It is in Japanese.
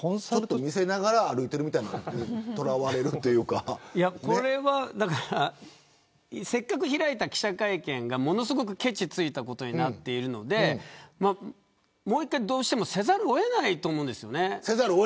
見せながら歩いているみたいなせっかく開いた記者会見がものすごくけちついたことになっているのでもう一回どうしてもせざるを得ないと思うんですよね。